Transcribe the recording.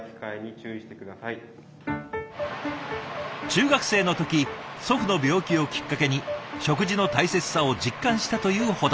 中学生の時祖父の病気をきっかけに食事の大切さを実感したという保立さん。